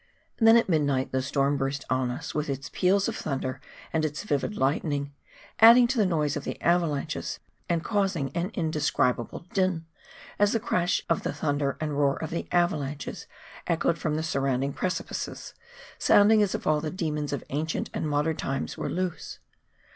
Then at midnight the storm burst on us, with its peals of thunder and its vivid lightning, adding to the noise of the avalanches, and causing an indescribable din, as the crash of the thunder and roar of the avalanches echoed from the surround ing precipices, sounding as if all the demons of ancient and modern times were loose.